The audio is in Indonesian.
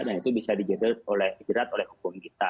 dan itu bisa dijadat oleh akun kita